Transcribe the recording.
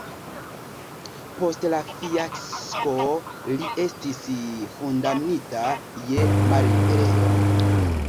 Post la fiasko li estis kondamnita je malliberejo.